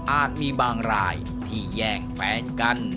มีบางรายที่แย่งแฟนกัน